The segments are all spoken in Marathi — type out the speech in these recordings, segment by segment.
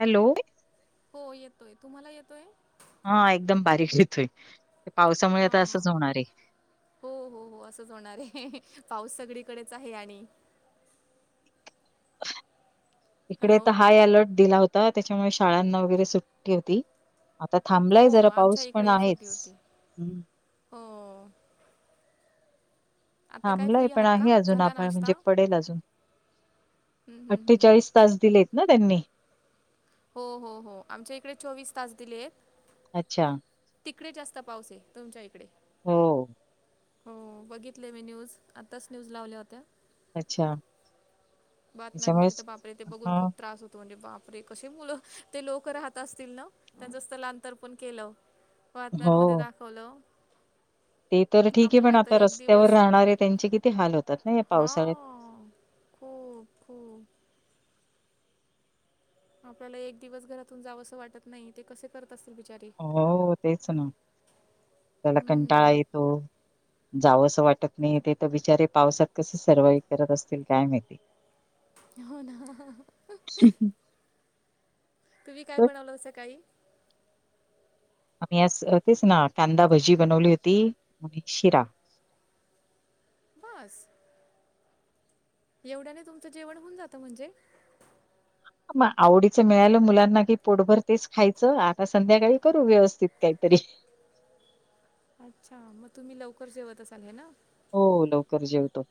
हॅलो ती, हो येतोय तुम्हाला येतोय? हा एकदम बारीक त होय. हा हा हो हो असंच होणार आहे. पाऊस सगळीकडेच आहे आणि, इकडे हॅलो तर हाय अलर्ट दिला होता त्याच्यामुळे शाळांना वगैरे सुट्टी होती आ ता हो थांबलाय जरा आमच्या पाऊस पण इकडेही आहेच. सुट्टी होती हो आत्ता काय थांबलंय फ्री पण आहात का आहे अजून झाला आपण नाश्ता म्हणजे हं, पडेल अजून. हं, हं. अठ्ठेचाळीस तास दिलेत ना त्यांनी. हो हो हो आमच्या इकडे चोवीस तास दिले आहेत. अच्छा तिकडे जास्त पाऊसेय आहे तुमच्या इकडे हो, हो बघितलय मी न्यूज आताच न्यूज लावल्या होत्या. अच्छा, बातम्यांमध्ये तर बापरेते बघून खूप त्रास होतो म्हणजे बाप रे असे मुलं ते लोक राहत असतील ना त्यांचं स्थलांतर पण केलं. बातम्यांमध्ये दाखवलं ते तर ठीक आहे पण आपल्याला तर आता रस्त्यावर राहणारे त्यांचे किती हाल होतात. ना या हा पावसात खूप खूप, आपल्याला एक दिवस घरातून जावंस असं वाटत नाही ते कसे करत असतील बिचारे हो तेच ना त्याला कंटाळा हम्म, येतो जाव असं वाटत नाही ते तर बिचारे पावसात कस सर्वाइव करत असतील काय माहिती हो ना आ हा हा हा तुमी काय बनवल सकाळी आम्ही आज तेच ना कांदा भजी बनवली होती आणि शिरा बस एवढ्याने तुमचं जेवण हुन जात मणजे म आवडीच मिळालं मुलांना की पोटभर तेच खायचं आता संध्याकाळी करू व्यवस्थित काहीतरी हि अच्छा मग तुमी लवकर जेवत असाल हे ना हो लवकर जेवतो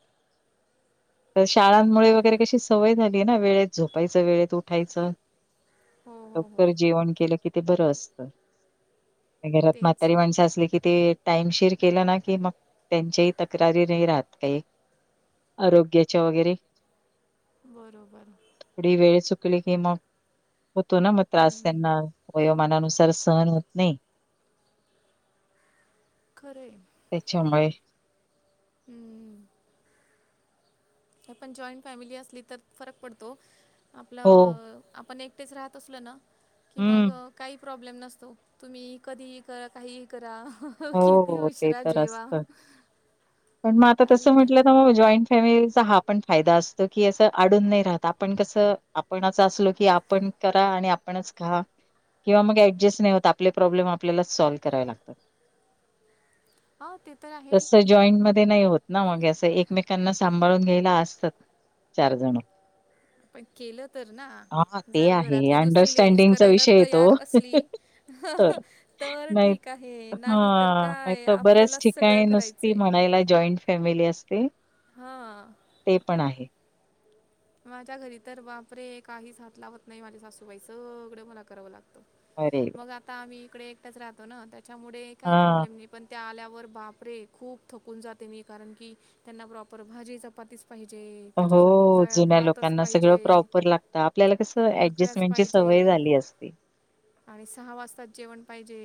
त हो शाळांमुळे का वगैरे कशी सवय झाली तेन वेळेत झोपायच वेळेत उठायचं हो हो हो लवकर जेवण केल कि ते बरं असत नय घरात तेच म्हातारी माणसं असली की ते टाइम शेर केला ना की मग त्यांचे तक्रारी नाय राहत काही आरोग्याच्या वगैरे बरोबर किलीकी मग होतो ना मग त्रास त्यांना वयोमानानुसार. तर सहन होत नेय खरं त्याच्यामुळे हम्म न पण जॉईंट फॅमिली असली तर फरक पडतो हो आपलं आपण एक एकटेच राहत असलोना की हम्म. मग काही प्रॉब्लेम नसतो तुम्ही कधीही करा काहीही करा ह हो कितीही उशरा जेवा पण म आता तसं काही नाही म्हटलं ना जॉईंट फॅमिली हा आपण फायदा असतो की अस अडून नाही राहत आपण कसं आपणच असलो की आपण करा आणि आपणच खा किंवा मग ऍडजस्ट नाही होत आपले प्रॉब्लेम आपल्याला सॉल्व करावे लागतात हो ते तर आहे तस जॉईंट मध्ये नाही होत ना मगे असं एकमेकांना सांभाळून घ्यायला असतात चार जण कक पण केलं तर ना हां, ते जर आहे. घरातली दुसरी लेडीज तुमचा करायला विषय तयार असली अह अह तर ठीक आहे हा नाही तर काय नायत बऱ्याच आपल्याला सगळं ठिकाणी करायचं नुसती आहे म्हणायला जॉईंट फॅमिली असते हां ते पण आहे माझ्या घरी तर बापरे काहीच हात लावत नाही माझ्या सासूबाई सगळं मला करावं लागत अरे वाह! मग आता आम्ही इकडे एकटच राहतो ना त्याच्यामुळे काही हां, प्रॉब्लेम नाही पण त्या आल्या वर बापरे खूप थकून जाते मी कारण की त्यांना प्रॉपर भाजी चपातीच पाहिजे त्याच्यासोबत रा- जुन्या भातच लोकांना सगळं पाहिजे प्रॉपर लागत आपल्याला कसं भाकऱ्याच ऍडजस्टमेंटची सवय पाहिजे झाली असते आणि सहा वाजताच जेवण पाहिजे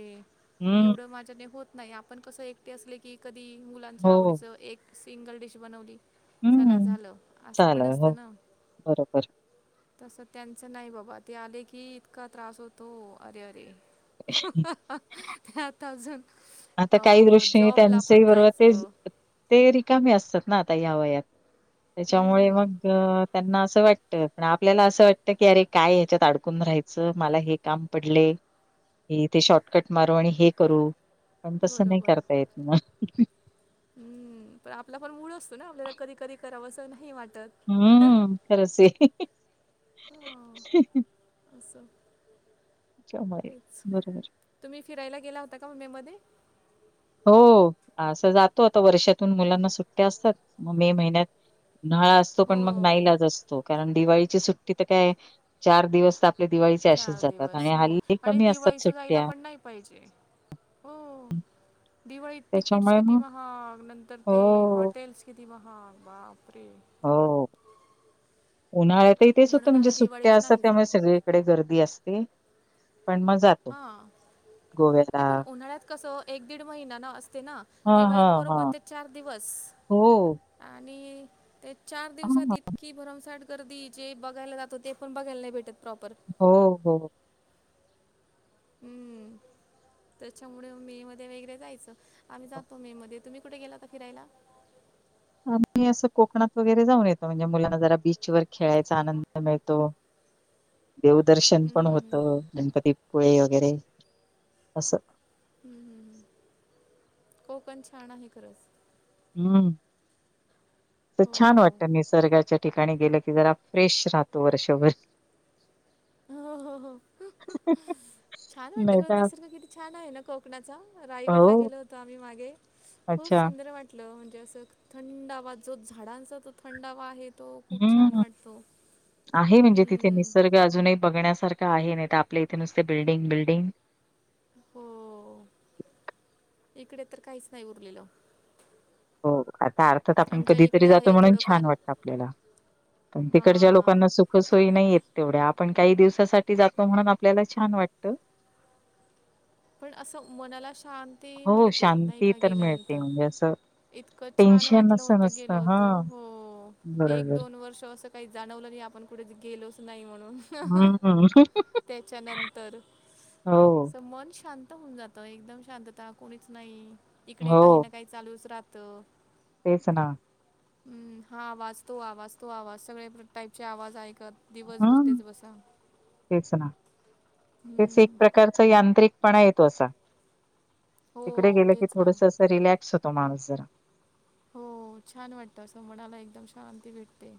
हं, एवढं माझ्या होत नाही आपण कस एकटे असले की कधी मुलांच्या हो. आवडीच एक सिंगल डिश बनवली चला झालं असं पण असत हो बरोबर तसं त्यांचं नाही बाबा ते आले की इतका त्रास होतो अरे अरे ते आता अजून आता काही दृष्टीने जॉबला त्यांचेही पण बरोबर ते जायचं ते रिकामीे असतात आता यावयात त्याच्यामुळे हम्म, मग त्यांना वाटत पण आपल्याला असं वाटत की अरे काय ह्याच्यात अडकून राहायचं मला हे काम पडले क ते शॉर्टकट मारू आणि हे करू पण तसं नाही बरोबर करता येत मग. हम्म पण आपला पण मुळच आपल्याला कध कध करा असं नाही वाट हम्म खरच ते बरोबर. तुम्ही फिरायला गेला होता का ममे मध्ये हो असं जातो आता वर्षातून मुलांना सुट्ट्या असतात मग मे महिन्यात नळा असतो पण मग हो नालाच असतो कारण दिवाळीची सुट्टी तर काय चार दिवस आपले दिवाळीचे असेच चार दिवस आणि हो हल्ली कमी आणि असतात. दिवाळीच जायला पण नाही पाहिजे हो दिवाळीत तिकीट्स त्यामुळे किती मग महाग नंतर ते हो, हॉटेल्स किती महाग हा बापि हो उन्हाळ्यात इथेच होतं म्हणून म्हणजे आम्ही सुट्ट्या दिवाळीत असतात नाही त्यामुळे जात सगळीकडे गर्दी असते पण मग जातो हा गोव्याला पण उन्हाळ्यात कसं एक दीड महिनाना असते ना हां, दिवाळीत हां. बरोबर ते चार दिवस हो आणि ते चार दिवसात इतकी भरमसाठ गर्दी जे बघायला जातो ते पण बघायला नाही भेटत प्रॉपर हो हो हम्म त्याच्यामुळे मे मध्ये वगरे जायचं आम्ही जातो मे मध्ये तुम्ही कुठे गेलाता फिरायला आम्ही असं कोकणात वगैरे जाऊन येतो म्हणजे मुलांना जरा बीचवर खेळायचा आनंद मिळतो देवदर्शन पण हम्म, हम्म, हम्म. होतं गणपतीपुळे वगैरे असं हम्म हम्् कोकण छान आहे खरंच हम्म तर छान वाटत हो निीसर्गाच्या ठिकाणी गेलं जरा फ्रेश राहतो वर्षभर हो हो हो छान वाटत ग निसर्ग किती छान आहे ना कोकणाचा रायगडला गेलो होतो आम्ही मागे खूप अच्छा. सुंदर वाटलं म्हणजे असं थंडावा जो झाडांचा तो थंडावा आहे तो खूप छान हम्म वाटतो आहे म्हणजे तिथे हम्म. निसर्ग अजूनही बघण्यासारखं आहे नाही तर आपल्या इथे नुसते बिल्डिंग बिल्डिंग हो इकडे तर काहीच नाही उरलेल हो आता अर्थात आपण कधीतरी इकडे जातो आहे म्हणून छान थोडंफार वाटतं आपल्याला पण तिकडच्या हां लोकांना सुख सोयी नाही येत तेवढ्या आपण काही दिवसासाठी जातो म्हणून आपल्याला छान वाटत पण असं मनाला शांती हो श मिळते नाही का गेल्यानंतर असं इतकं ते छान वाटलं होत गेलं होत हो एक बरोबर दोन वर्ष असं काही जाणवलं नाही आपण कुेच गेलोच नाही म्हण हम्म. त्याच्या नंतर हो शांत होऊन जात एकदम शांतता कोणीच नाही इकडे काही ना काही चालूच राहत. तेचं ना हम्म हा आवाज तो आवाज तो आवाज सगळे टाईपचे आवाज ऐक कत दिवसभर हम्म. तेच बसा. तेच ना तेच एक हम्म, प्रकारचा यांत्रिकपणा येतो असा. तिकडे हो गेलं की तेच ना थोडसं असं रिलॅक्स होतो माणूस जरा. हो छान वाटत असं मणाला एकदम शांती भेटते.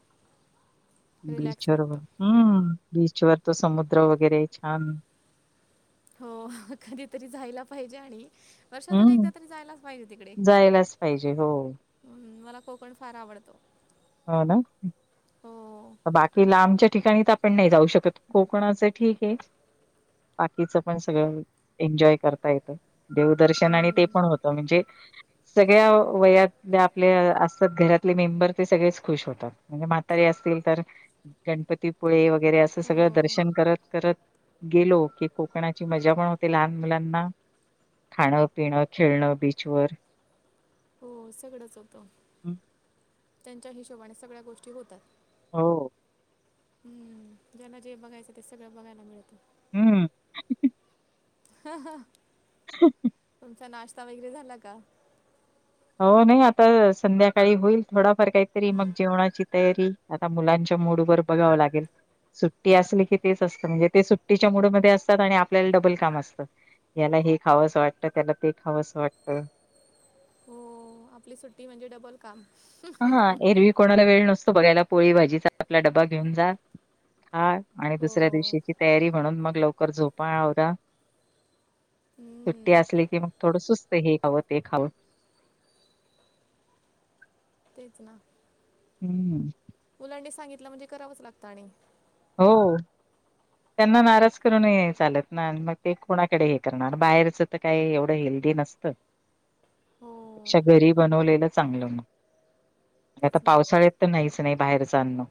रिलॅक्स बीचवर वाटतं मग हम्म बीचवर तर समुद्र वगैरे छान. हो कधीतरी जायला पाहिजे आणि वर्षातून एकदा तरी जायलाच पाहिजे तिकडे. जायलाच पाहिजे हो हं मला कोकण फार आवडत. हां ना बाकी लांबच्या ठिकाणी त पण नाही जाऊ शकत. कोकणाच ठीक ये. बाकीचं पण सगळं एन्जॉय करता येतं. देवदर्शन आणि ते हम्म, पण होतं. म्हणजे सगळ्या वयातल्या आपल्या असतात घरातले मेंबर. ते सगळेच खुश होतात म्हणजे म्हातारी असतील तर गणपतीपुळे व गैरे असं हो सगळं दर्शन करत करत गेलो की कोकणाची मजा पण होते लहान मुलांना. खाणं पिणं खेळणं बीचवर. हो सगडच होत हं. त्यांच्या हिशोबाने सगळ्या गोष्टी होतात. हो. हम्म ज्याना जे बघायचं ते सगळं बघायला मिळतं. हम्म. तुमचा नाश्ता वगैरे झाला का? हो नाही आता संध्याकाळी होईल थोडाफार काहीतरी मग जेवणाची तयारी आता मुलांच्या मूडवर बघावं लागेल. सुट्टी असली की तेच असतं म्हणजे ते सुट्टीच्या मुडमध्ये असतात आणि आपल्याला डबल काम असतं. यांना हे खावंसं वाटतं त्यांना ते खावंस वाटतं. हो. आपली सुट्टी म्हणजे डबल काम हां एरवी कोणाला वेळ नसतो बघायला पोळी भाजीचा आपला डब्बा घेऊन जा. हां आणि हो दुसऱ्या दिवशीची तयारी म्हणून मग लवकर झोपा आवरा सुट्टी हम्म, असली की मग थोड सुसं ते हे खावं ते खावं. तेच ना. हम्म. त्यांनी सांगितलं म्हणजे करावच लागत आणि हो. त्यांना नाराज करून नाय चालत ना मग ते कोणाकडे हे करणार बाहेरच तर काय एवढं हे ल्दी नसत. [inaudible] हो त्यापेक्षा घरी बनवलेलं चांगलं म. आणि आता तेच ना पावसाळ्यात तर नाहीच नाय बाहेरच अन्न.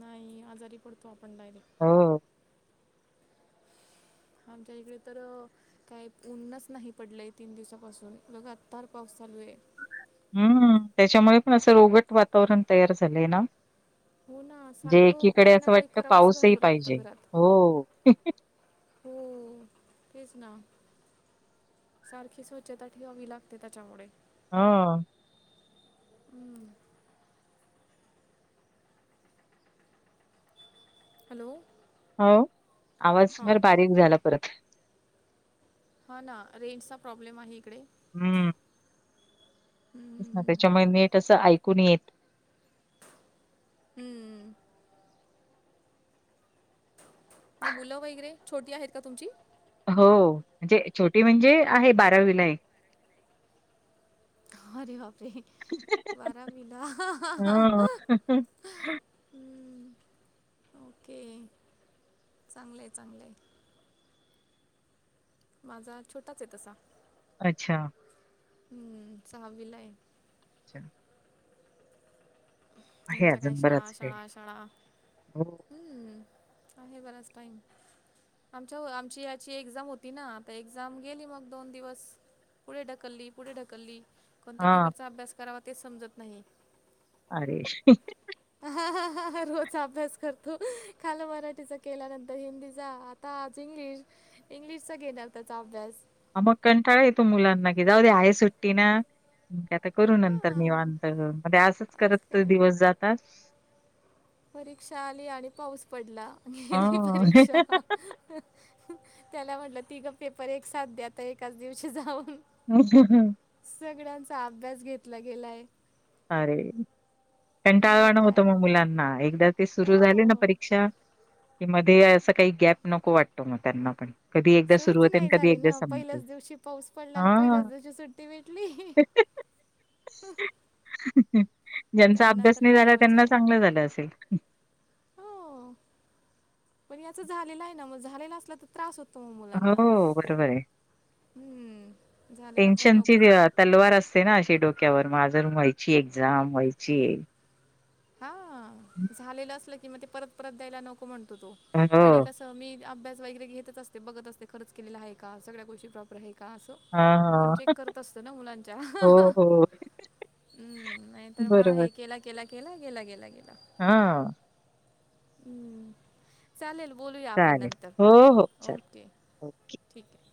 नाही आजारी पडतो आपण डायरेक्ट. हो आमच्या इकडे तर काही ऊन च नाही पडलंय तीन दिवसापासून लगातार पाऊस चालू ये. हम्म त्याच्यामुळे पण असं रोगट वातावरण तयार झालंय ना. [inaudible] जे सारखं एकीकडे काही ना असं काही वाटत करावंच पाऊसही राहावं लागतं पाहिजे घरात हो. हो. तेच ना सारखी स्वच्छता ठेवावी लागते त्याच्यामुळे. हा. हम्म. हॅलो. हो, आवाज हां फार बारीक झाला परत. हा ना, रेंजचा प्रॉब्लेम आहे इकडे. हम्म. हम्म. त्याच्यामुळे नेट असं ऐकू नाही येत. हम्म. मग मुलं वगैरे, छोटी आहेत का तुमची? हो, म्हणजे छोटी म्हणजे आहे बारावीलाय. अरे बापरे! बारावीला. हम्म. [unintelligible] ओके. चांगलंय, चांगलंय. माझा छोटाचय तसा. अच्छा. हम्म, सहावीलाय. [unintelligible] आहे त्यांच्या अजून काय शाळा, शाळा, शाळा. हो हम्म. आहे, बराच टाईम. आमच्या, आमची याची एक्झाम होती ना, आता एक्झाम गेली मग दोन दिवस. पुढे ढकलली, पुढे ढकलली, कोणत्या हा पेपरचा अभ्यास करावा, तेच समजत नाही. अरे! [unintelligible] [unintelligible] रोज अभ्यास करतो. खाल मराठीचा केला, नंतर हिंदीचा, आता आज इंग् ग्लिश, इंग्लिशचा घेणार त्याचा अभ्यास. आ म कंटाळा येतो मुलाना, की जाऊ दे, हाय सुट्टी ना. म आता करू नंतर हां निवांत. आज करत तर काय दिवस जातात. [unintelligible] परीक्षा आली आणि पाऊस पडला, गेली परीक्षा. त्याला म्हटलं, तिगं पेपर एक साथ द्या, आता एकाच दिवशी जाऊन. [unintelligible] सगळ्यांचा अभ्यास घेतला गेलाय. अरे, मग कंटाळवाणं होतं काय मग मुलांना. एक ते सुरू झाले ना हो परीक्षा, कि मध्ये असं काही गॅप नको वाटतो, मग त्यांना पण. कधी एकदा सुरू सुरूच होते. नाही झाली ना. पहिल्याच दिवशी पाऊस पडला, न पहिल्याच दिवशी सुट्टी भेटली. [unintelligible] [unintelligible] ज्यांचा त्यांना अभ्यास तर नाही काय झाला, मजा त्यांना आहे चांगलं झालं असेल. हो पण याच झालेलं आहे ना. मग झालेला असला तर त्रास होत हो बरोबर आहे. हम्म झालेला पण टेन्शनची नको मग अ तलवार असते ना, अशी डोक क्यावर. अजून व्हायची एक्झाम, व्हायचीय. हा, झालेलं असलं कि मग, ते परत- परत द्यायला नको म्हण तो. हो आणि कस, मी अभ्यास वगैरे घेतच असते. बघत असते, खरच केलेला हाय का? सगळ्या गोष्टी प्रॉपर हाय का? असं ह आपण ह चेक करत असतो ना मुलांच्या [unintelligible] हम्म, नाही तर मग, आहे केला, केला, केला. गेला, गेला, गेला. ह हम्म, चालेल. बोलूया, आपण नंतर. हो हो चालेल ओके ओके. ठीकय.